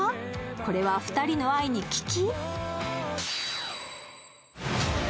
これは２人の愛に危機？